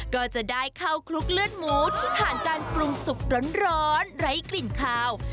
ก็จะได้เข้าคลุกเลือดหมูที่ผ่านการปรุงสุกร้อนไร้กลิ่นคาว